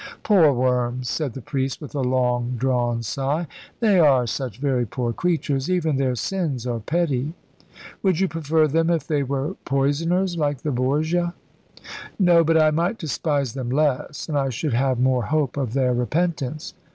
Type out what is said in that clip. "Poor worms," said the priest with a long drawn sigh. "They are such very poor creatures. Even their sins are petty." "Would you prefer them if they were poisoners, like the Borgia?" "No; but I might despise them less. And I should have more hope of their repentance.